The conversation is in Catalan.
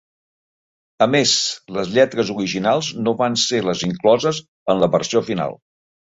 A més, les lletres originals no van ser les incloses en la versió final.